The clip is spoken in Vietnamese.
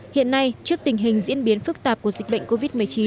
hiện nay trước tình hình diễn biến phức tạp của dịch bệnh covid một mươi chín